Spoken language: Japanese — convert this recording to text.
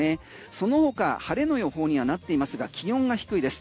その他晴れの予報にはなっていますが気温が低いです。